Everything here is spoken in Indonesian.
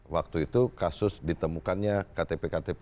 waktu itu kasus ditemukannya ktp ktp